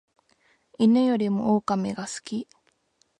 犬よりも狼が好き